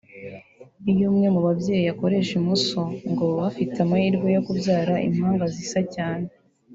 Iyo umwe mu babyeyi akoresha imoso ngo baba bafite amahirwe yo kubyara impanga zisa cyane